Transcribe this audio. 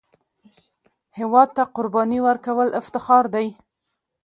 هېواد ته قرباني ورکول افتخار دی